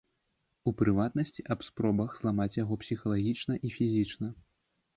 У прыватнасці, аб спробах зламаць яго псіхалагічна і фізічна.